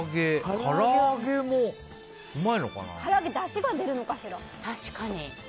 唐揚げ、だしが出るのかしら。